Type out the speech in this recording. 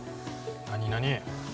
何何？